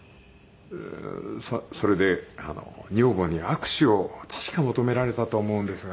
それで女房に握手を確か求められたと思うんですが。